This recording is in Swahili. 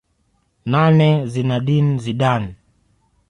Nane Zinedine Zidane